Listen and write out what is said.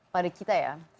pada kita ya